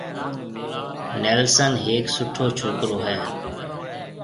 نيلسن ھيَََڪ سُٺو ڇوڪرو ھيََََ